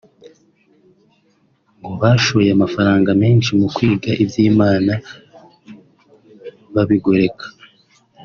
ngo bashoye amafaranga menshi mukwiga iby’Imana babigoreka